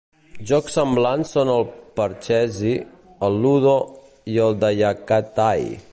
Jocs semblants són el Parcheesi, el Ludo i el Dayakattai.